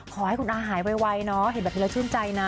ขอให้คุณอาหายไวเนอะเห็นแบบนี้แล้วชื่นใจนะ